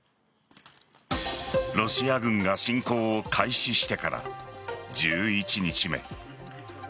ロシア軍が侵攻を開始してから１１日目。